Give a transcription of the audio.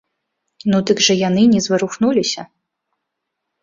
Ну дык жа яны не зварухнуліся.